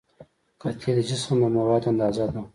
کتلې د جسم د موادو اندازه ده.